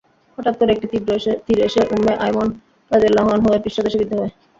হঠাৎ করে একটি তীর এসে উম্মে আয়মন রাযিয়াল্লাহু আনহা-এর পৃষ্ঠদেশে বিদ্ধ হয়।